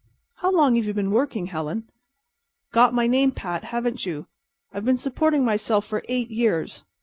"How long have you been working, Helen?" "Got my name pat, haven't you? I've been supporting myself for eight years.